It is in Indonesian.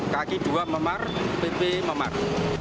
kaki dua memar pp memar